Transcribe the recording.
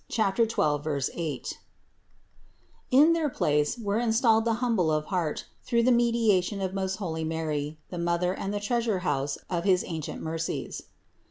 In their place were THE INCARNATION 181 installed the humble of heart through the mediation of most holy Mary, the Mother and the treasure house of his ancient mercies.